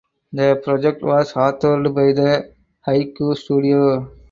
The project was authored by the Haiku Studio.